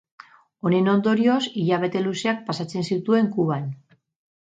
Honen ondorioz, hilabete luzeak pasatzen zituen Kuban.